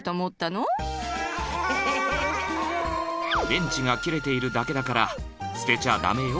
［電池が切れているだけだから捨てちゃ駄目よ］